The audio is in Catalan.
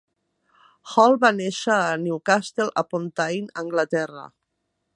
Hall va néixer a Newcastle upon Tyne, Anglaterra.